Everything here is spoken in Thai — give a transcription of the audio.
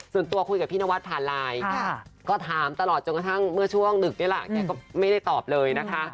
ส่วนตัวคุยกับพี่นวัดผ่านไลน์ก็ถามตลอดจนกระทั่งเมื่อช่วงดึกนี่แหละแกก็ไม่ได้ตอบเลยนะคะ